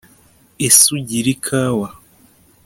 ese ugira ikawa